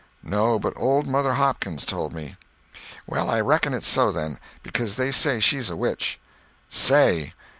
"No, but old Mother Hopkins told me." "Well, I reckon it's so, then. Becuz they say she's a witch." "Say!